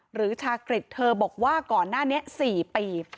หรือชากฤษเธอบอกว่าก่อนหน้านี้๔ปี